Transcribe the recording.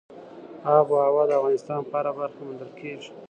آب وهوا د افغانستان په هره برخه کې موندل کېږي.